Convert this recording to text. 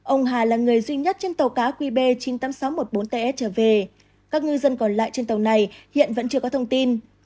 ông hà là người duy nhất trên tàu cá qb chín mươi tám nghìn sáu trăm một mươi bốn ts trở về các ngư dân còn lại trên tàu này hiện vẫn chưa có thông tin